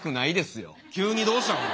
急にどうしたの？